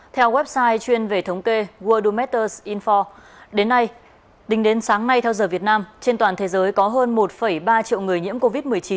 theo website chuyên về thống kê worldumeters infor đến nay tính đến sáng nay theo giờ việt nam trên toàn thế giới có hơn một ba triệu người nhiễm covid một mươi chín